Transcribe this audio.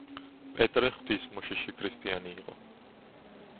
პეტრე ღვთისმოშიში ქრისტიანი იყო.